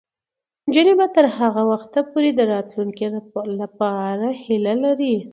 نجونې به تر هغه وخته پورې د راتلونکي لپاره هیله لري.